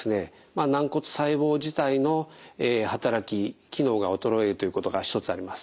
軟骨細胞自体の働き機能が衰えるということが一つあります。